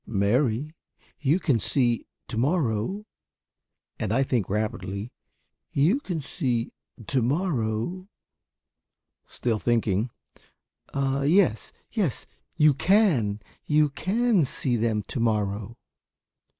"Mary you can see to morrow," and I think rapidly, "you can see to morrow," still thinking, "ah, yes yes you can; you can see them to morrow."